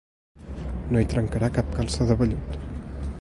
No hi trencarà cap calça de vellut.